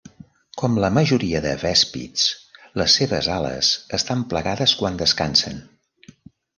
Com la majoria de vèspids les seves ales estan plegades quan descansen.